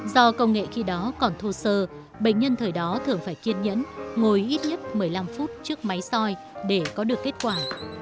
do công nghệ khi đó còn thô sơ bệnh nhân thời đó thường phải kiên nhẫn ngồi ít nhất một mươi năm phút trước máy soi để có được kết quả